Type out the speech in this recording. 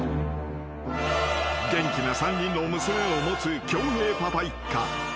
［元気な３人の娘を持つきょうへいパパ一家］